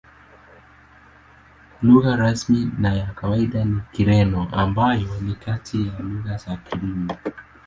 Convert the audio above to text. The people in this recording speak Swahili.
Lugha rasmi na ya kawaida ni Kireno, ambayo ni kati ya lugha za Kirumi.